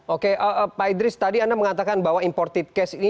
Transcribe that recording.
oke pak idris tadi anda mengatakan bahwa imported case ini